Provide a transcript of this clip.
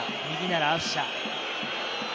右ならアフシャ。